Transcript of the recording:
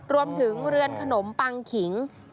รวมถึงเรือนขนมปังขิง